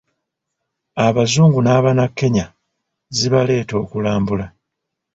Abazungu n'Abanakenya zibaleeta okulambula.